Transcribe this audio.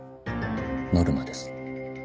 ノルマです。